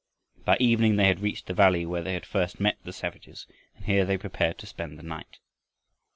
By evening they had reached the valley where they had first met the savages and here they prepared to spend the night.